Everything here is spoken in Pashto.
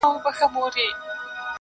دا کمال دي د یوه جنګي نظر دی.